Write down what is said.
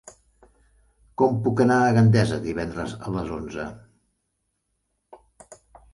Com puc anar a Gandesa divendres a les onze?